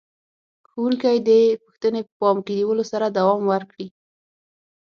ښوونکي دې پوښتنې په پام کې نیولو سره دوام ورکړي.